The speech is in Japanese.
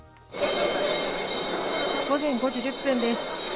午前５時１０分です。